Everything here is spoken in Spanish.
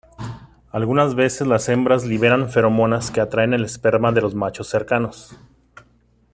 Algunas veces las hembras liberan feromonas que atraen el esperma de los machos cercanos.